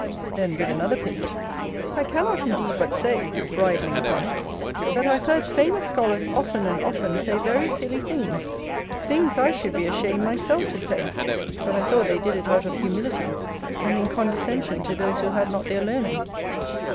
Then with another pinch I cannot indeed but say, bridling upon it, that I have heard famous scholars often and often say very silly things: things I should be ashamed myself to say; but I thought they did it out of humility, and in condescension to those who had not their learning.